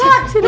iya itu gaul